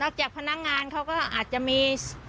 จากพนักงานเขาก็อาจจะมี